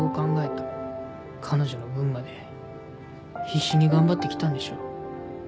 彼女の分まで必死に頑張ってきたんでしょ。